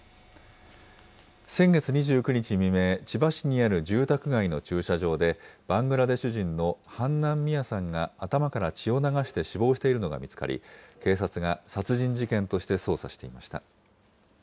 先月２９日未明、千葉市にある住宅街の駐車場で、バングラデシュ人のハンナン・ミアさんが頭から血を流して死亡しているのが見つかり、警察が殺人事件として捜査していました。